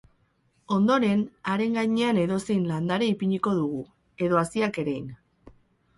Ondoren, haren gainean, edozein landare ipiniko dugu, edo haziak erein.